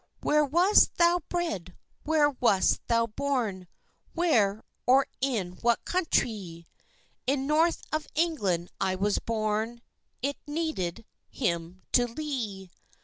"Where wast thou bred? where wast thou born? Where, or in what countrie?" "In north of England I was born;" (It needed him to lee.)